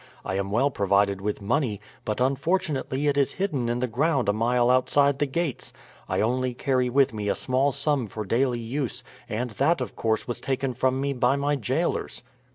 I am well provided with money, but unfortunately it is hidden in the ground a mile outside the gates. I only carry with me a small sum for daily use, and that of course was taken from me by my jailers."